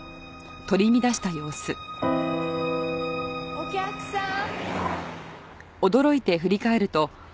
お客さん！